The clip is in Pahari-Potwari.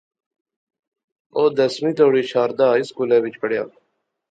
او دسویں توڑیں شاردا ہائی سکولے وچ پڑھیا